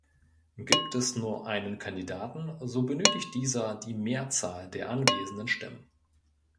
Gibt es nur einen Kandidaten, so benötigt dieser die Mehrzahl der anwesenden Stimmen.